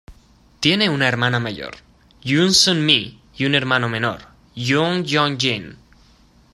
Tiene una hermana mayor, Yoon Sun Mi, y un hermano menor, Yoon Jong Jin.